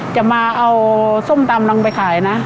จะมาเอาส้มตำรังไปขายนะ